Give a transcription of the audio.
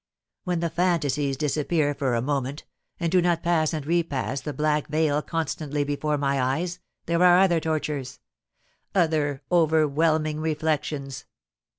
When the fantasies disappear for a moment, and do not pass and repass the black veil constantly before my eyes, there are other tortures, other overwhelming reflections.